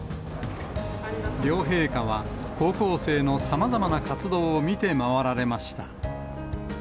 両陛下は、高校生のさまざまな活動を見て回られました。